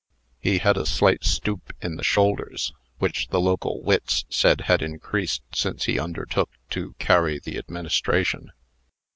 He had a slight stoop in the shoulders, which the local wits said had increased since he undertook to carry the Administration.